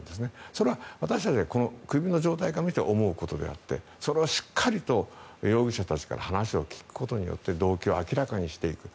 それは私たちが首の状態から見て思うことであってそれをしっかりと容疑者たちから話を聞くことによって動機を明らかにしていく。